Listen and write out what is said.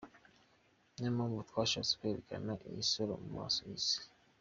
Niyo mpamvu twashatse kwerekana iyi sura mu maso y’Isi”.